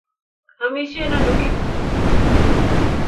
Amishen ano kip?